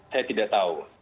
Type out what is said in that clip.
saya tidak tahu